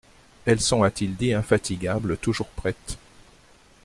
«Elles sont, a-t-il dit, infatigables, toujours prêtes.